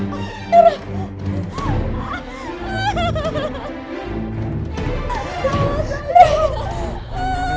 kita butuh alat bola tolong kesini cepat